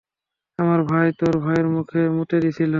আমার ভাই তোর ভাইয়ের মুখে মুতে দিছিলো।